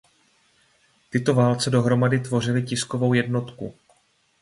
Tyto válce dohromady tvořily tiskovou jednotku.